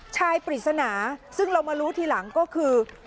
ปริศนาซึ่งเรามารู้ทีหลังก็คือ